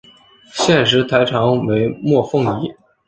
现时台长为莫凤仪。